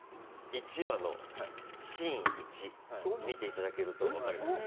１話のシーン１を見ていただけると分かります。